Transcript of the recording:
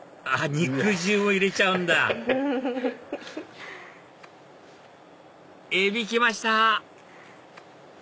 肉汁も入れちゃうんだエビ来ました！